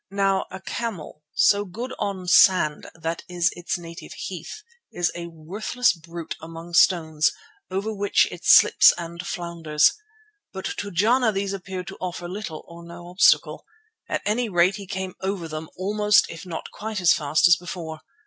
Now a camel, so good on sand that is its native heath, is a worthless brute among stones, over which it slips and flounders. But to Jana these appeared to offer little or no obstacle. At any rate he came over them almost if not quite as fast as before.